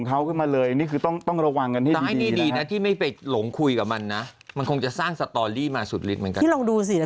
เขาไม่ไห้เขาจะมีวิธีการต่างดันน่า